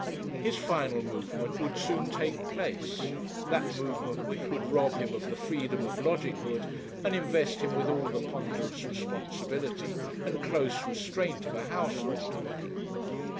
His final movement would soon take place; that movement which would rob him of the freedom of lodginghood, and invest him with all the ponderous responsibility and close restraint of a householder.